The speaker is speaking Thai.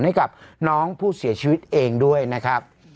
ให้กับน้องผู้เสียชีวิตเองด้วยนะครับ